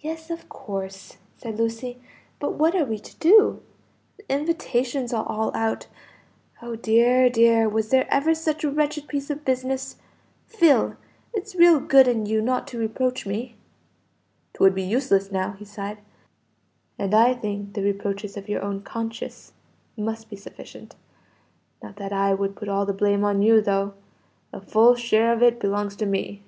"Yes, of course," said Lucy. "But what are we to do? the invitations are all out. Oh dear, dear, was there ever such a wretched piece of business! Phil, it's real good in you not to reproach me." "'Twould be useless now," he sighed, "and I think the reproaches of your own conscience must be sufficient. Not that I would put all the blame on you, though. A full share of it belongs to me."